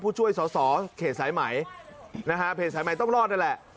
ผู้ช่วยสอสอเขตสายไหมนะฮะเพจสายใหม่ต้องรอดนั่นแหละ